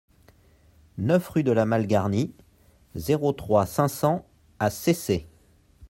neuf rue de la Malgarnie, zéro trois, cinq cents à Cesset